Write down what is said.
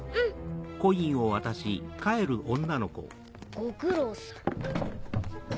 ご苦労さん。